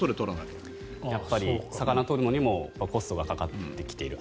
やっぱり魚を取るのにもコストがかかってきている。